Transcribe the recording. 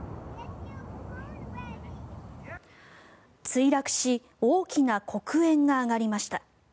墜落し大きな黒煙が上がりました。